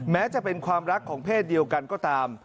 แม้จะเป็นความรักของเพศเดียวกันก็ตาม